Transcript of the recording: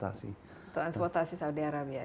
transportasi saudi arab ya